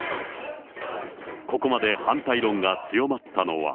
ここまで反対論が強まったのは。